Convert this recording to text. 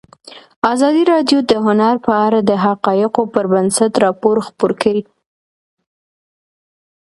ازادي راډیو د هنر په اړه د حقایقو پر بنسټ راپور خپور کړی.